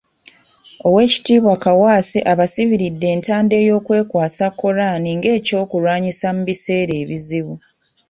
Owekitiibwa Kaawaase abasibiridde entanda ey'okwekwata Quran nga eky'okulwanyisa mu biseera ebizibu.